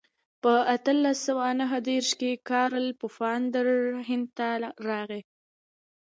په اتلس سوه نهه دېرش کې کارل پفاندر هند ته راغی.